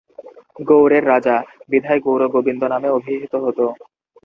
গৌড়ের রাজা বিধায় গৌড় গোবিন্দ নামে অভিহিত হত।